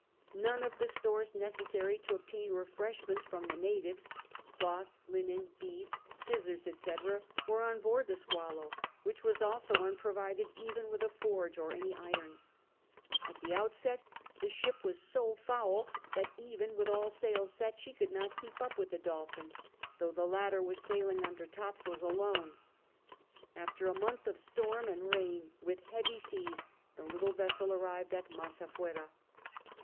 None of the stores necessary to obtain refreshments from the natives — cloth, linen, beads, scissors, etc. — were on board the Swallow, which was also unprovided even Avith a forge or any iron. And at the outset the ship was so foul that even with all sails set she could not keep up Avith the Dolphin, though the latter Avas sailing under topsails alone. After a month of storm and rain Avith heavy seas the little vessel arrived at Masafuera.